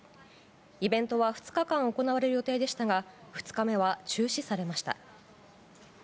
イベントは２日間行われる予定でしたが２日目は中止されました。